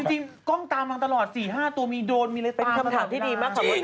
จริงกล้องตามเราตลอด๔๕ตัวมีโดรนมีเลสเปียม